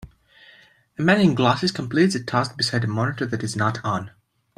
A man in glasses completes a task beside a monitor that is not on